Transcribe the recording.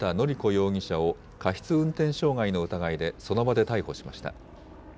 容疑者を過失運転傷害の疑いでその場で逮捕しました。